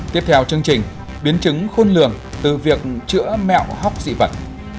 tiếp theo chương trình biến chứng khuôn lường từ việc chữa mẹo hóc dị vật